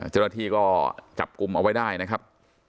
เจ้าหน้าที่ก็จับกลุ่มเอาไว้ได้นะครับ